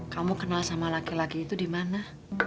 kamu kenal sama laki laki itu di mana